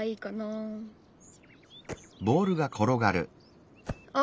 ああ。